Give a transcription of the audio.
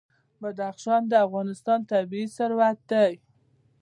بدخشان د افغانستان طبعي ثروت دی.